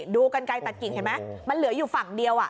ดูกันไกลตัดกิ่งเห็นไหมมันเหลืออยู่ฝั่งเดียว